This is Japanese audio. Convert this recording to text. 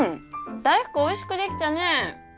大福おいしくできたね。